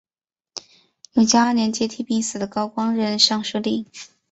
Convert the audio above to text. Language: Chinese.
永嘉二年接替病死的高光任尚书令。